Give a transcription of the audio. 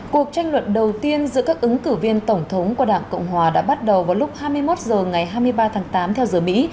cuộc tranh luận đầu tiên giữa các ứng cử viên tổng thống của đảng cộng hòa đã bắt đầu vào lúc hai mươi một h ngày hai mươi ba tháng tám theo giờ mỹ